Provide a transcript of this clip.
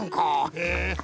へえ。